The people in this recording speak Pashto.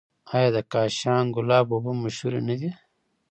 آیا د کاشان ګلاب اوبه مشهورې نه دي؟